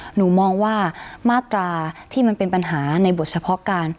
หนูมองว่ามาตราที่มันเป็นปัญหาในบทเฉพาะการ